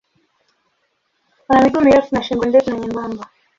Wana miguu mirefu na shingo ndefu na nyembamba.